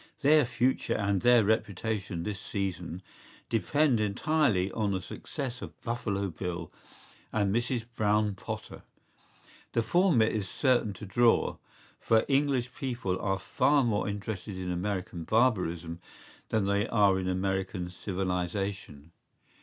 ¬Ý Their future and their reputation this season depend entirely on the success of Buffalo Bill and Mrs. Brown Potter.¬Ý The former is certain to draw; for English people are far more interested in American barbarism than they are in American civilization.